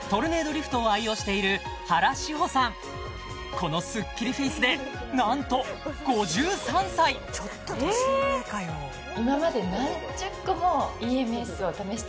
このスッキリフェイスでなんとちょっと年上かよえ！？